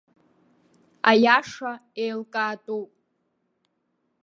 Аиаша еилкаатәуп.